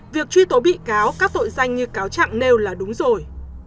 việc truy tố bị cáo các tội danh như cáo trạng nêu là đúng rồi